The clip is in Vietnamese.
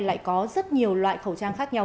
lại có rất nhiều loại khẩu trang khác nhau